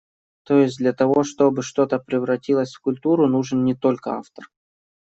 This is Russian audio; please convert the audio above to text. То есть, для того, чтобы что-то превратилось в культуру нужен не только автор.